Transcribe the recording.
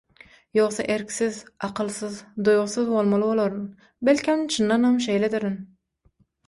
Ýogsa erksiz, akylsyz, duýgusyz bolmaly bolaryn, belkem çyndanam şeýledirin.